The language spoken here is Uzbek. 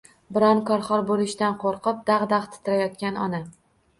Biron kor-hol bo‘lishidan qo‘rqib dag‘-dag‘ titrayotgan ona